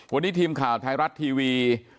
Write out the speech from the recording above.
วันนี้ทีมข่าวไทยรัฐทีวี